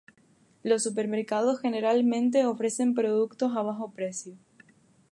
Los supermercados generalmente ofrecen productos a bajo precio.